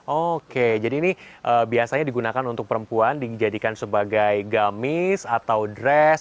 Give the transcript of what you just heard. oke jadi ini biasanya digunakan untuk perempuan dijadikan sebagai gamis atau dress